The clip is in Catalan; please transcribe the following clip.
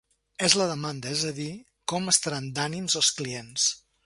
És la demanda, és a dir, com estaran d’ànims els clients.